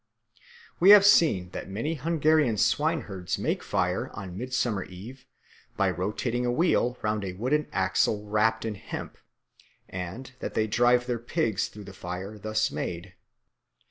We have seen that many Hungarian swine herds make fire on Midsummer Eve by rotating a wheel round a wooden axle wrapt in hemp, and that they drive their pigs through the fire thus made.